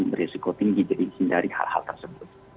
beresiko tinggi jadi hindari hal hal tersebut